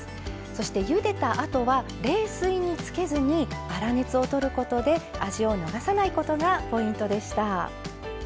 そしてゆでたあとは冷水につけずに粗熱をとることで味を流さないことがポイントでした。